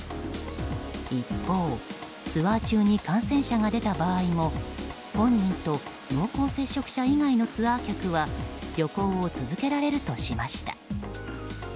一方、ツアー中に感染者が出た場合も本人と濃厚接触者以外のツアー客は旅行を続けられるとしました。